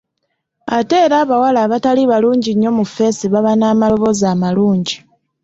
Ate era abawala abatali balungi nnyo mu ffeesi baba n'amaloboozi amalungi.